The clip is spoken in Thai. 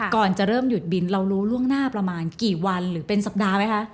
ก่อนจะเริ่มหยุดบินเรารู้ล่วงหน้าประมาณกี่วันหรือเป็นสัปดาห์ไหมคะ